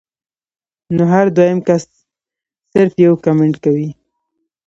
نو هر دويم کس صرف يو کمنټ کوي